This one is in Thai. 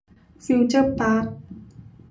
ฟิวเจอร์ปาร์ค